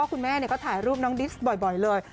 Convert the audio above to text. คุณแม่ก็ถ่ายรูปน้องดิสบ่อยเลย